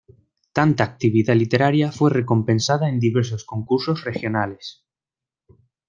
Tanta actividad literaria fue recompensada en diversos concursos regionales.